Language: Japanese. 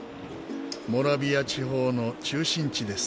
モラヴィア地方の中心地です。